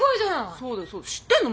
そうだよえっ知ってんの？